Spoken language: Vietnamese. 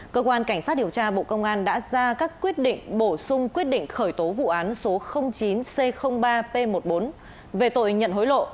cơ quan cảnh sát điều tra bộ công an đã ra các quyết định bổ sung quyết định khởi tố vụ án số chín c ba p một mươi bốn về tội nhận hối lộ